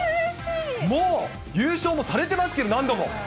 もう優勝もされてますけど、何度も。